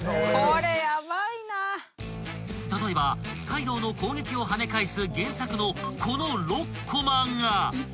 ［例えばカイドウの攻撃をはね返す原作のこの６こまが］